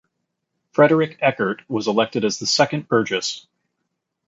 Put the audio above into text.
Frederick Eckert was elected as the second Burgess.